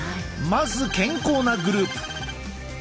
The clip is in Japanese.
まず健康なグループ。